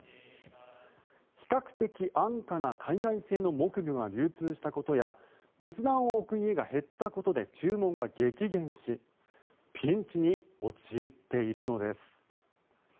比較的安価な海外製の木魚が流通したことや仏壇を置く家が減ったことで注文が激減しピンチに陥っているのです。